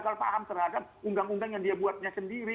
jadi dpr gagal paham terhadap undang undang yang dia buatnya sendiri